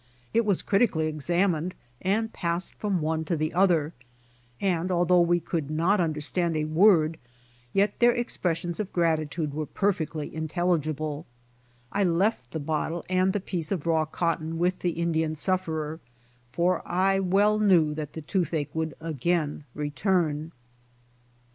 It was critically examined and passed from one to another, and although we could not under stand a word, yet their expressions of gratitude were perfectly intelligible. I left the bottle and the piece of raw cotton with the Indian sufferer, for I well knew that the toothache would again return.